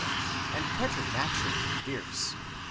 one and_ preternaturally fierce..